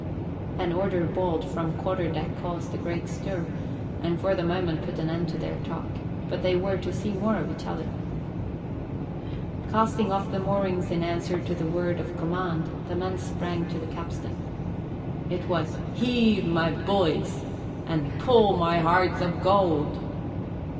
An order bawled from the quarter deck caused a great stir, and for the moment put an end to their talk, but they were to see more of each other. Casting off the moorings in answer to the word of command, the men sprang to the capstan. It was "Heave, my bullies!" and "Pull, my hearts of gold!"